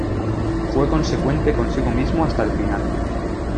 Fue consecuente consigo mismo hasta el final.